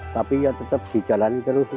tapi tetap di jalan terus